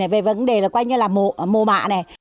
về vấn đề là quanh như là mồ mạ